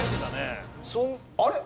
あれ？